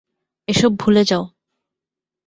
এসব ভুলে যাও।